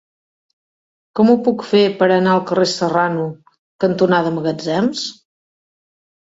Com ho puc fer per anar al carrer Serrano cantonada Magatzems?